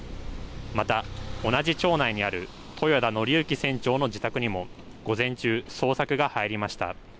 また同じ町内にある豊田徳幸船長の自宅にも午前中、捜索が入りました。